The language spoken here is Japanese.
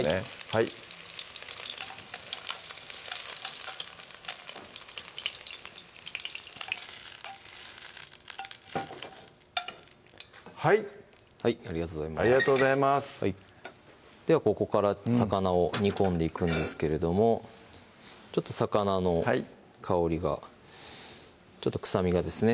はいはいはいありがとうございますではここから魚を煮込んでいくんですけれどもちょっと魚の香りがちょっと臭みがですね